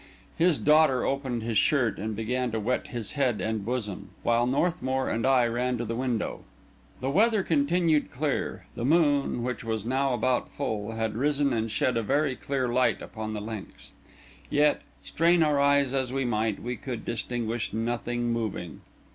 His daughter opened his shirt and began to wet his head and bosom; while Northmour and I ran to the window. The weather continued clear; the moon, which was now about full, had risen and shed a very clear light upon the links; yet, strain our eyes as we might, we could distinguish nothing moving.